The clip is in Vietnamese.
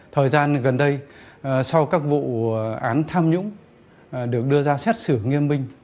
thời gian gần đây sau các vụ án tham nhũng được đưa ra xét xử nghiêm binh